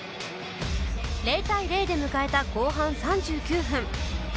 ０対０で迎えた後半３９分